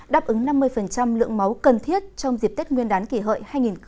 đáp ứng năm mươi lượng máu cần thiết trong dịp tết nguyên đán kỷ hợi hai nghìn một mươi chín